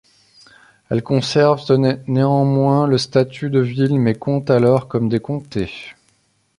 Elles conservent néanmoins le statut de villes mais comptent alors comme des comtés.